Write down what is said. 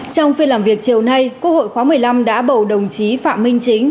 trong phiên làm việc chiều nay quốc hội khóa một mươi năm đã bầu đồng chí phạm minh chính